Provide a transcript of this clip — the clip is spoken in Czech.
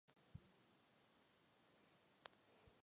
S pozdější specializací povolání vznikla i profese tesaře.